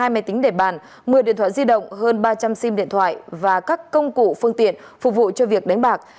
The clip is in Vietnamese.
hai máy tính để bàn một mươi điện thoại di động hơn ba trăm linh sim điện thoại và các công cụ phương tiện phục vụ cho việc đánh bạc